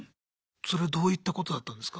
それはどういったことだったんですか？